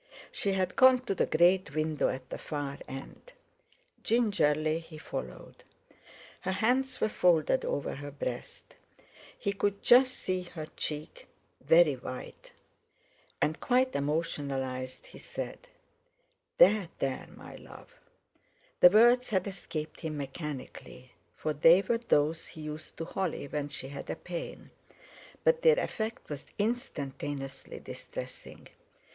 She had gone to the great window at the far end. Gingerly he followed. Her hands were folded over her breast; he could just see her cheek, very white. And, quite emotionalized, he said: "There, there, my love!" The words had escaped him mechanically, for they were those he used to Holly when she had a pain, but their effect was instantaneously distressing.